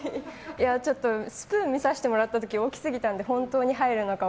ちょっとスプーンを見させてもらった時大きすぎたので本当に入るのか